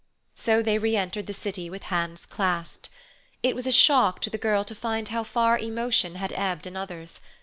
So they re entered the city with hands clasped. It was a shock to the girl to find how far emotion had ebbed in others.